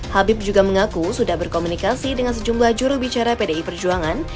habib juga mengaku sudah berkomunikasi dengan sejumlah jurubicara pdi perjuangan